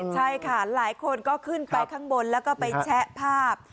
ใช่ค่ะหลายคนก็ขึ้นไปข้างบนแล้วก็ไปแชะภาพ